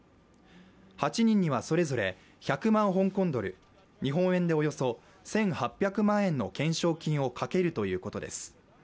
８人にはそれぞれ１００万香港ドル、日本円でおよそ１８００万円の懸賞金をかけるということです。